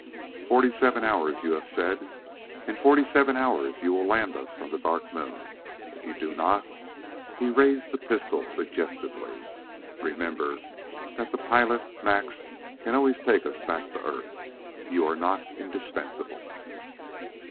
"'Forty seven hours' you have said; in forty seven hours you will land us on the Dark Moon. If you do not," he raised the pistol suggestively "remember that the pilot, Max, can always take us back to Earth. You are not indispensable."